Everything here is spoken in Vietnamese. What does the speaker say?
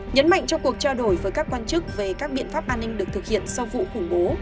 nhấn mạnh trong cuộc trao đổi với các quan chức về các biện pháp an ninh được thực hiện sau vụ khủng bố